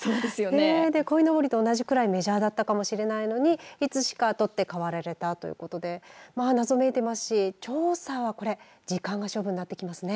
こいのぼりと同じくらいメジャーだったかもしれないのにいつしか取って代わられたということで謎めいていますし調査は時間が勝負になってきますね。